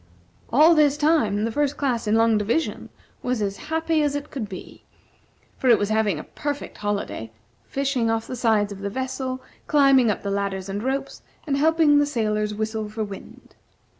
All this time, the First Class in Long Division was as happy as it could be, for it was having a perfect holiday; fishing off the sides of the vessel, climbing up the ladders and ropes, and helping the sailors whistle for wind.